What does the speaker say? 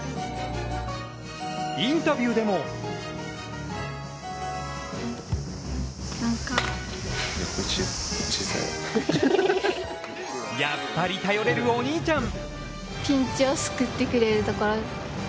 インタビューでもやっぱり頼れるお兄ちゃん。